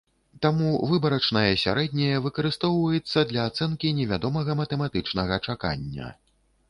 Таму выбарачнае сярэдняе выкарыстоўваецца для ацэнкі невядомага матэматычнага чакання.